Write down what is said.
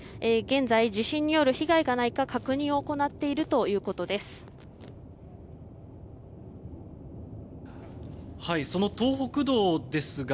現在、地震による被害がないか確認を行っているということです。